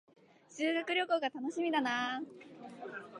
修学旅行が楽しみだな